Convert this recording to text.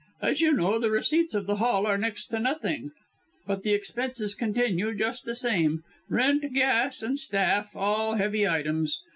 As you know, the receipts of the Hall are next to nothing; but the expenses continue just the same rent, gas, and staff all heavy items.